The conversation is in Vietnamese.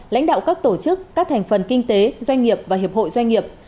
lãnh đạo các tổ chức các thành phần kinh tế doanh nghiệp và hiệp hội doanh nghiệp